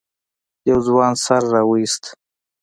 يوه ځوان سر راويست.